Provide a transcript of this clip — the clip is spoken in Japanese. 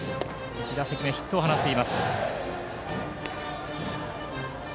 １打席目、ヒットを放っています。